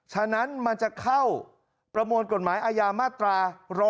ฉะนั้นมันจะเข้าประมวลกฎหมายอาญามาตรา๑๕